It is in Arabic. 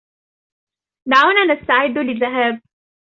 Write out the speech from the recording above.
دعونا نستعد للذهاب.